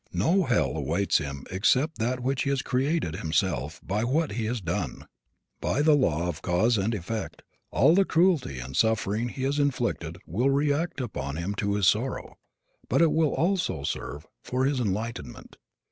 No hell awaits him except that which he has created himself by what he has done. By the law of cause and effect all the cruelty and suffering he has inflicted will react upon him to his sorrow, but will also serve for his enlightenment.